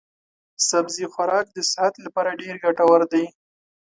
سبزي خوراک د صحت لپاره ډېر ګټور دی.